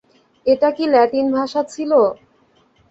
এটা কি ল্যাটিন ভাষা ছিল?